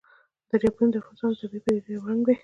دریابونه د افغانستان د طبیعي پدیدو یو رنګ دی.